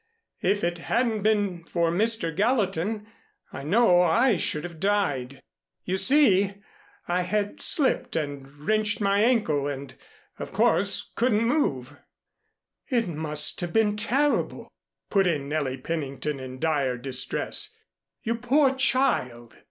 If it hadn't been for Mr. Gallatin I know I should have died. You see, I had slipped and wrenched my ankle and, of course, couldn't move " "It must have been terrible!" put in Nellie Pennington in dire distress. "You poor child!"